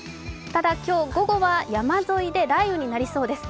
ただ今日午後は山沿いで雷雨になりそうです。